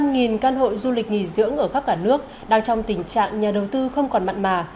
việc nghỉ dưỡng ở khắp cả nước đang trong tình trạng nhà đầu tư không còn mặn mà